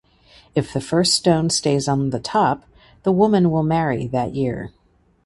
If the first stone stays on the top the woman will marry that year.